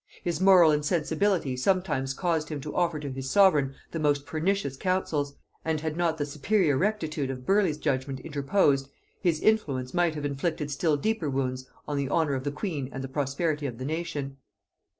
His moral insensibility sometimes caused him to offer to his sovereign the most pernicious counsels; and had not the superior rectitude of Burleigh's judgement interposed, his influence might have inflicted still deeper wounds on the honor of the queen and the prosperity of the nation.